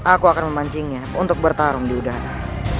aku akan memancingnya untuk bertarung di udara